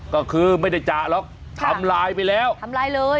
ก็คือไม่ได้จ่าหรอกทำลายไปแล้วทำลายเลย